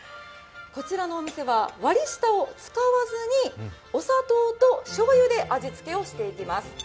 こちらのお店は、割下を使わずにお砂糖としょうゆで味つけをしていきます。